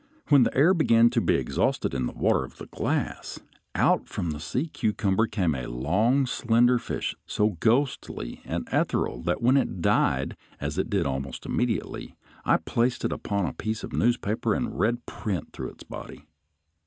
When the air began to be exhausted in the water of the glass, out from the sea cucumber came a long, slender fish, so ghostly and ethereal that when it died, as it did almost immediately, I placed it upon a piece of newspaper and read print through its body.